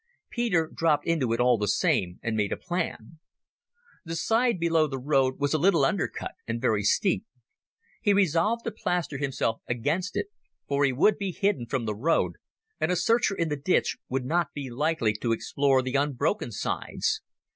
Peter dropped into it all the same and made a plan. The side below the road was a little undercut and very steep. He resolved to plaster himself against it, for he would be hidden from the road, and a searcher in the ditch would not be likely to explore the unbroken sides.